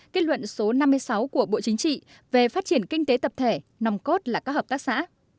kết luận số năm mươi sáu của bộ chính trị về phát triển kinh tế tập thể nằm cốt là các hợp tác xã